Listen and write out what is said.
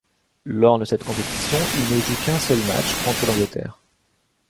Lors de cette compétition, il ne joue qu'un seul match, contre l'Angleterre.